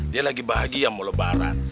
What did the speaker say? dia lagi bahagia mau lebaran